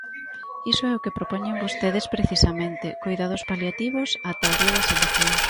Iso é o que propoñen vostedes precisamente: coidados paliativos ata o día das eleccións.